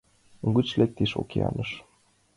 Угыч лектыч океаныш.